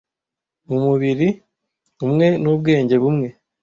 mumubiri umwe n'ubwenge bumwe.